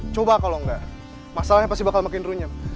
coba kalau enggak masalahnya pasti bakal makin runyam